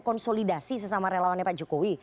konsolidasi sesama relawannya pak jokowi